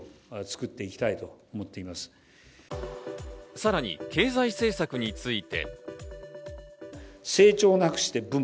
さらに経済政策について。